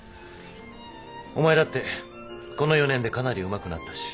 お前だってこの４年でかなりうまくなったし。